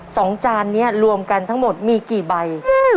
จานนี้รวมกันทั้งหมดมีกี่ใบ